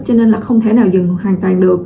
cho nên là không thể nào dần hoàn toàn được